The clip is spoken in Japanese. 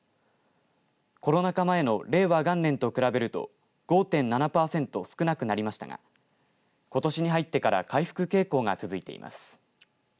コロナ禍前の令和元年と比べると５．７パーセント少なくなりましたがことしに入ってから回復傾向が続いています。